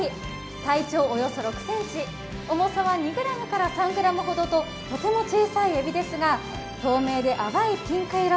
体長およそ６ｃｍ、重さは２ｇから３ｇととても小さいエビですが、透明で淡いピンク色。